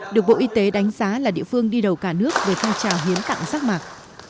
được bộ y tế đánh giá là địa phương đi đầu cả nước về phong trào hiến tặng rác mạc